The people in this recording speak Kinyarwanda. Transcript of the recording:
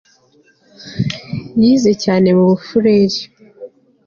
Yize cyane mu Bafureri